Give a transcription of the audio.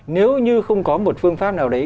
nếu như không có một phương pháp nào đấy